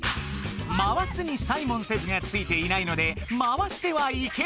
「回す」に「サイモンセズ」がついていないので回してはいけない。